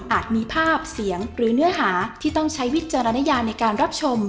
มีภาพเสียงหรือเนื้อหาที่ต้องใช้วิจารณญาในการรับชม